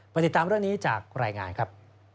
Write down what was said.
ติดตามเรื่องนี้จากรายงานครับ